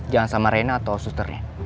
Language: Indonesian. jangan sama rena atau susternya